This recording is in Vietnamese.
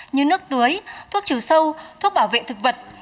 như nước tưới thuốc trừ sâu thuốc bảo vệ thực vật